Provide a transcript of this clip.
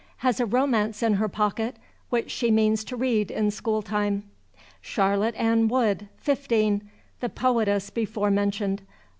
Has a romance in her pocket, which she means to read in school time. Charlotte Ann Wood. Fifteen. The poetess before mentioned.